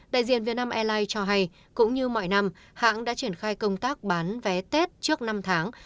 đại diện việt nam airlines cho hay cũng như mọi năm hãng đã triển khai công tác bán vé tết trước năm tháng